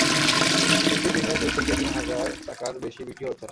কিন্তু দিনে দুই থেকে তিন হাজার টাকার বেশি বিক্রিও হচ্ছে না।